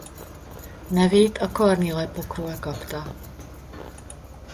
Nevét a Karni-Alpokról kapta.